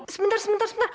sebentar sebentar sebentar